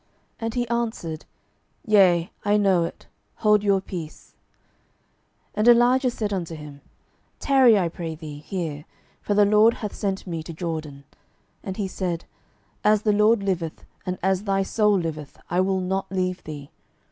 And he answered, Yea, I know it; hold ye your peace. 12:002:006 And Elijah said unto him, Tarry, I pray thee, here; for the LORD hath sent me to Jordan. And he said, As the LORD liveth, and as thy soul liveth, I will not leave thee.